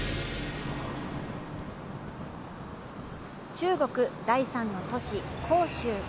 中国第三の都市、広州。